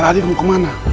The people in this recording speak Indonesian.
radit mau kemana